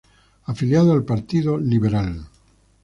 Afiliado al Partido Liberal.